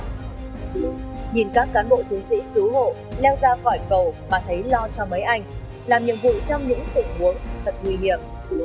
nhìn các cán bộ chiến sĩ cứu hộ leo ra khỏi cầu mà thấy lo cho mấy anh làm nhiệm vụ trong những tình huống thật nguy hiểm